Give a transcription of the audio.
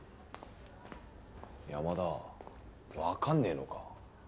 山田わかんねえのか？